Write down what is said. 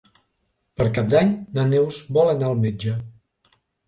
Per Cap d'Any na Neus vol anar al metge.